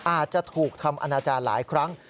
อาจจะถูกทำอนาจารย์หลายครั้ง